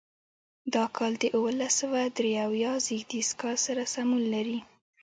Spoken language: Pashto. دا کال د اوولس سوه درې اویا زېږدیز کال سره سمون لري.